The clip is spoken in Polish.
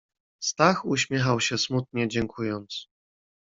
"Stach uśmiechał się smutnie, dziękując."